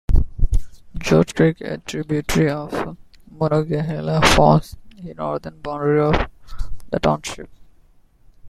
Georges Creek, a tributary of the Monongahela, forms the northern boundary of the township.